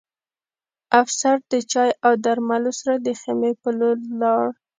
افسر د چای او درملو سره د خیمې په لور لاړ